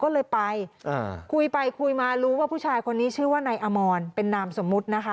ก็เลยไปอ่าคุยไปคุยมารู้ว่าผู้ชายคนนี้ชื่อว่านายอมรเป็นนามสมมุตินะคะ